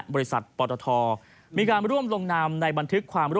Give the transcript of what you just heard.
ให้คุณเจ้าครับเพื่อให้รักทุกอย่าง